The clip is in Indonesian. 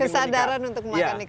kesadaran untuk makan ikan